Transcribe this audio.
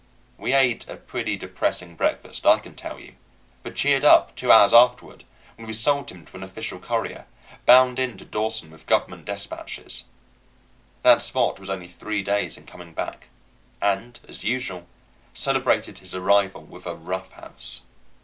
We ate a pretty depressing breakfast, I can tell you; but cheered up two hours afterward when we sold him to an official courier, bound in to Dawson with government dispatches. That Spot was only three days in coming back, and, as usual, celebrated his arrival with a rough house.